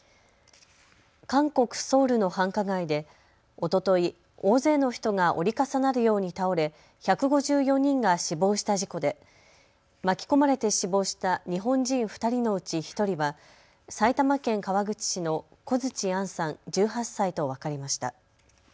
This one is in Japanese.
韓国・ソウルの繁華街でおととい大勢の人が折り重なるように倒れ１５４人が死亡した事故で巻き込まれて死亡した日本人２人のうち１人は埼玉県川口市の小槌杏さん１８歳と分かりました。